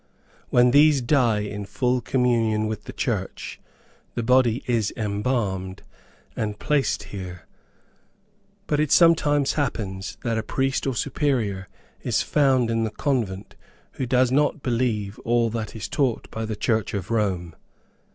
When these die in full communion with the church, the body is embalmed, and placed here, but it sometimes happens that a priest or Superior is found in the convent who does not believe all that is taught by the church of Rome.